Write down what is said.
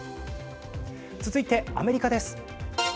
続いて、アメリカです。